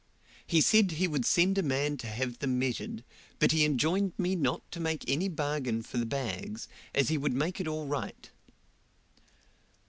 He said he would send a man to have them measured, but he enjoined me not to make any bargain for the bags, as he would make it all right.